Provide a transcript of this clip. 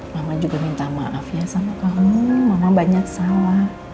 mama juga minta maaf ya sama kamu mama banyak salah